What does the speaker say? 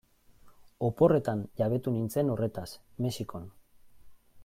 Oporretan jabetu nintzen horretaz, Mexikon.